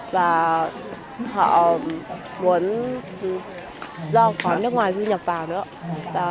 và họ muốn do khói nước ngoài du nhập vào nữa